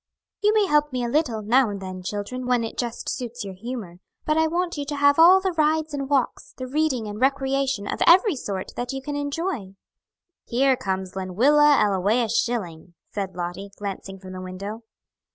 "You may help me a little, now and then, children, when it just suits your humor, but I want you to have all the rides and walks, the reading and recreation of every sort that you can enjoy." "Here comes Lenwilla Ellawea Schilling," said Lottie, glancing from the window.